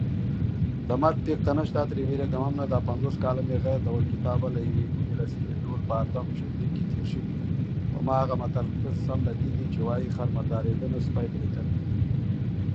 He was educated at elementary and central schools and at Regent Street Polytechnic.